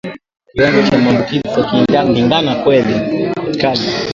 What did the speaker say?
Kiwango cha maambukizi ya ndigana kali